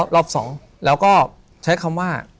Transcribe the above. รอบ๒แล้วก็ใช้คำว่า